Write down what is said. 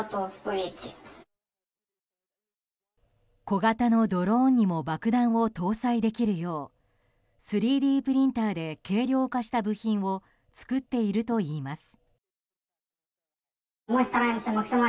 小型のドローンにも爆弾を搭載できるよう３Ｄプリンターで軽量化した部品を作っているといいます。